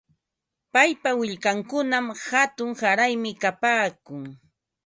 Paypa willkankunam hatun qaraymi kapaakun.